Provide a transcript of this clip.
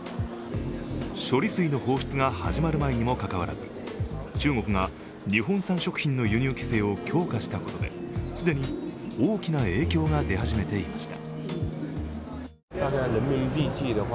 処理水の放出が始まる前にも関わらず、中国が日本産食品の輸入規制を強化したことで既に大きな影響が出始めていました。